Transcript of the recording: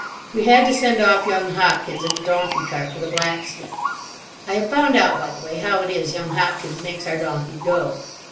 We had to send off young Hopkins in the donkey cart for the blacksmith. I have found out, by the way, how it is young Hopkins makes our donkey go.